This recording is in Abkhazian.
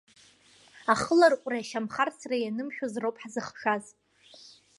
Ахыларҟәреи ашьамхарсреи ианымшәоз роуп ҳзыхшаз.